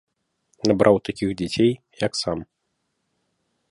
Набраў такіх дзяцей, як сам.